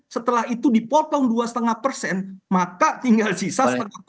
tiga setelah itu dipotong dua lima maka tinggal sisa